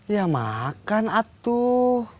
ya makan atuh